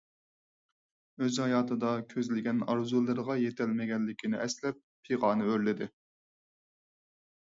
ئۆز ھاياتىدا كۆزلىگەن ئارزۇلىرىغا يېتەلمىگەنلىكىنى ئەسلەپ پىغانى ئۆرلىدى.